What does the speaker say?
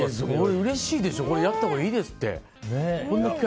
うれしいでしょやったほうがいいですって。